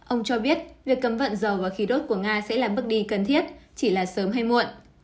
ông cho biết việc cấm vận dầu và khí đốt của nga sẽ là bước đi cần thiết chỉ là sớm hay muộn